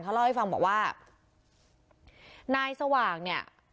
เขาเล่าให้ฟังบอกว่านายสว่างเนี่ย